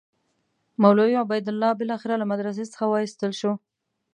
مولوي عبیدالله بالاخره له مدرسې څخه وایستل شو.